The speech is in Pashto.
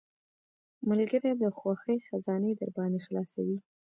ملګری د خوښۍ خزانې درباندې خلاصوي.